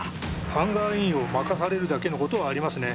ハンガーインを任されるだけのことはありますね。